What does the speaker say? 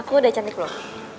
aku udah cantik loh